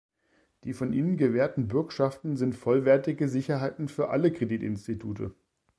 Die von ihnen gewährten Bürgschaften sind vollwertige Sicherheiten für alle Kreditinstitute.